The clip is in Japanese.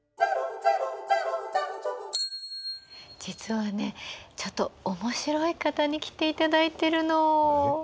実はねちょっと面白い方に来ていただいてるの。